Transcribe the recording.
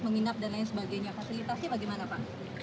menginap dan lain sebagainya fasilitasnya bagaimana pak